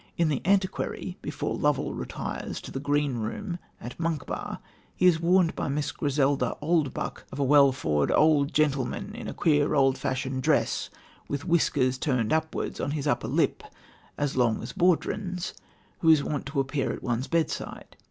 In The Antiquary, before Lovel retires to the Green Room at Monkbar, he is warned by Miss Griselda Oldbuck of a "well fa'urd auld gentleman in a queer old fashioned dress with whiskers turned upward on his upper lip as long as baudrons," who is wont to appear at one's bedside.